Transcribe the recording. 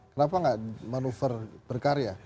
kenapa enggak manuver berkarya